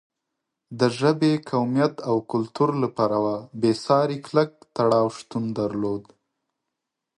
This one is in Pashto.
د ژبې، قومیت او کلتور له پلوه بېساری کلک تړاو شتون درلود.